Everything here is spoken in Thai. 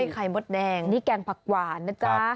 แกงผักหวาน